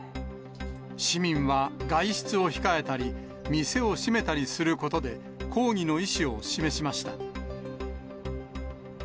市民は外出を控えたり、店を閉めたりすることで、抗議の意志を示しました。